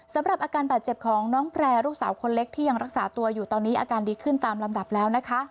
สำหรับอาการบาดเจ็บของน้องแพร่ลูกสาวคนเล็กที่ยังรักษาตัวอยู่ตอนนี้อาการดีขึ้นตามลำดับแล้วนะคะ